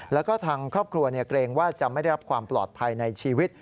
แล้วก็ทางครอบครัวเกรงว่าจะไม่ได้รับความปลอดภัยในชีวิต